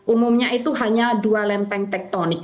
umumnya itu hanya dua lempeng tektonik